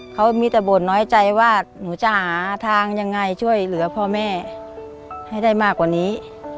เขามีแต่บ่นน้อยใจว่าหนูจะหาทางยังไงช่วยเหลือพ่อแม่ให้ได้มากกว่านี้